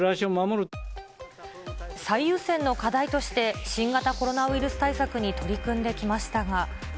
最優先の課題として、新型コロナウイルス対策に取り組んできましたが。